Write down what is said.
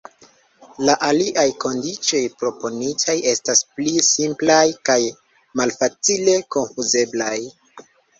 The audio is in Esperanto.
La aliaj kondiĉoj proponitaj estas pli simplaj kaj malfacile konfuzeblaj.